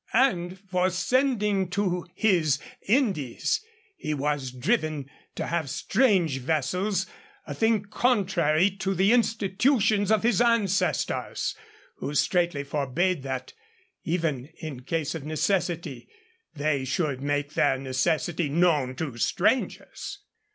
And for sending to his Indies, he was driven to have strange vessels, a thing contrary to the institutions of his ancestors, who straitly forbade that, even in case of necessity, they should make their necessity known to strangers.